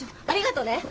ありがとね。